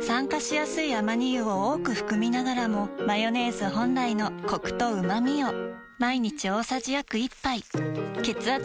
酸化しやすいアマニ油を多く含みながらもマヨネーズ本来のコクとうまみを毎日大さじ約１杯血圧が高めの方に機能性表示食品